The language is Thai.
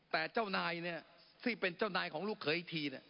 แต่เจ้านายเนี่ยที่เป็นเจ้านายของลูกเขยอีกที